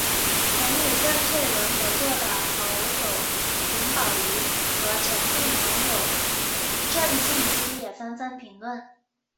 曾与邓萃雯合作的好友林保怡和前度男友郑敬基也纷纷评论。